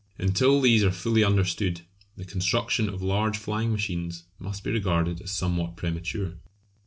Until these are fully understood the construction of large flying machines must be regarded as somewhat premature.